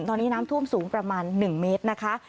ตอนนี้น้ำท่วมสูงประมาณ๑เมตรนะคะ